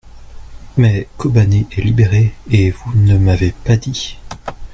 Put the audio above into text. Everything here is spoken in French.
mais, Kobané est libérée et vous ne m'avez pas dit.